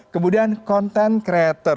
kemudian konten kreator